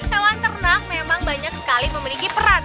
hewan ternak memang banyak sekali memiliki peran